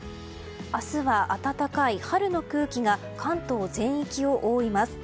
明日は暖かい春の空気が関東全域を覆います。